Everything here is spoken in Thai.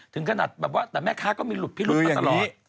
ถึงขนาดแบบว่าแต่แม่ค้าก็มีหลุดพิรุษมาตลอด